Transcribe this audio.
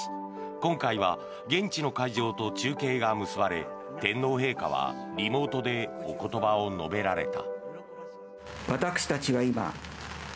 今回は現地の会場と中継が結ばれ天皇陛下はリモートでお言葉を述べられた。